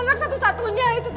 anak satu satunya itu